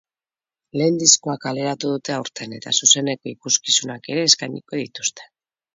Lehen diskoa kaleratu dute aurten eta zuzeneko ikuskizunak ere eskainiko dituzte.